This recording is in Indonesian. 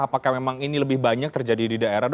apakah memang ini lebih banyak terjadi di daerah